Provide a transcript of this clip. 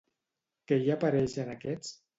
Què hi apareix en aquests?